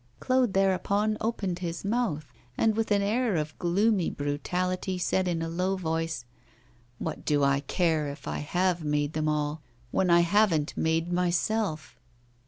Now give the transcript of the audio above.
Claude thereupon opened his mouth, and, with an air of gloomy brutality, said in a low voice: 'What do I care if I have made them all, when I haven't made myself?